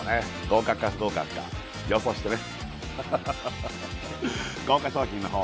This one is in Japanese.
合格か不合格か予想してね